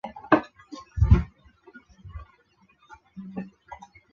如此可以降低财产和人口的损失。